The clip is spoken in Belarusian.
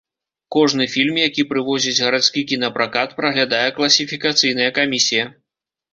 Кожны фільм, які прывозіць гарадскі кінапракат, праглядае класіфікацыйная камісія.